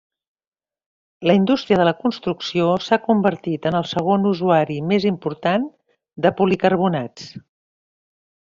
La indústria de la construcció s'ha convertit en el segon usuari més important de policarbonats.